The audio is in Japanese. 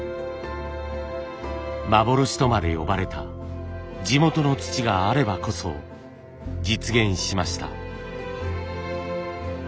幻とまで呼ばれた地元の土があればこそ実現しました。